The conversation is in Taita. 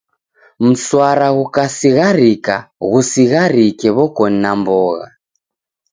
Mswara ghukasigharika, ghusigharike w'okoni na mbogha.